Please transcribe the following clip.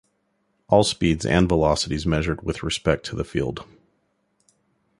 All speeds and velocities measured with respect to the field.